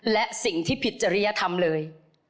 และสิ่งที่ผิดจริยธรรมเลย